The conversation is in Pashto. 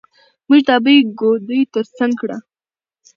موږ د ابۍ ګودى تر څنګ کړه.